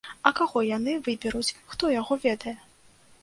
А каго яны выберуць, хто яго ведае.